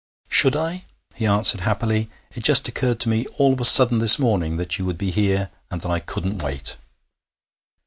'Should I?' he answered happily. 'It just occurred to me all of a sudden this morning that you would be here, and that I couldn't wait.'